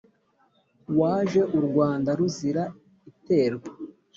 waje u rwanda ruzira iterwa